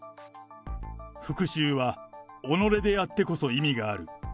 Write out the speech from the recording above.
復讐は己でやってこそ意味がある。